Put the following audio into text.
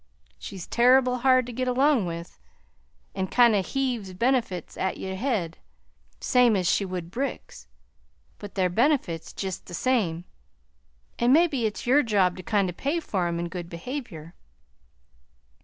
She's turrible hard to get along with, an' kind o' heaves benefits at your head, same 's she would bricks; but they're benefits jest the same, an' mebbe it's your job to kind o' pay for 'em in good behavior.